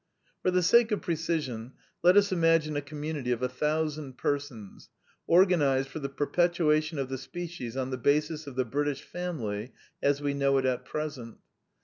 For the sake of precision, let us imagine a com munity of a thousand persons, organized for the perpetuation of the species on the basis of the British family as we know it at present.